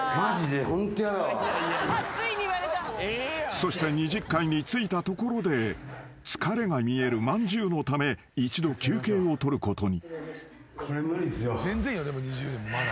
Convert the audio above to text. ［そして２０階に着いたところで疲れが見えるまんじゅうのため一度休憩を取ることに］